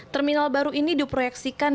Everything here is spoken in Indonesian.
terminal baru ini diproyeksikan bisa diperolehkan